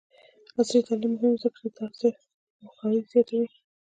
عصري تعلیم مهم دی ځکه چې د تغذیه پوهاوی زیاتوي.